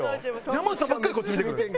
山内さんばっかりこっち見てくる。